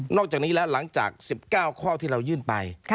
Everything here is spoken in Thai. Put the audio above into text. อกจากนี้แล้วหลังจาก๑๙ข้อที่เรายื่นไป